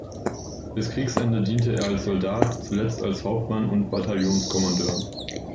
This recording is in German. Bis Kriegsende diente er als Soldat, zuletzt als Hauptmann und Bataillonskommandeur.